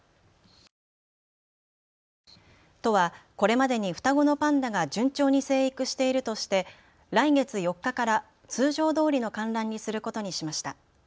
都はこれまでに双子のパンダが順調に成育しているとして来月４日から通常どおりの観覧にすることにしました。